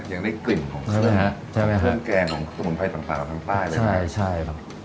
ยังได้กลิ่นของเครียมฮะแกงของสมุนไพรต่างทางใต้เลยนะฮะบ๊วยใช่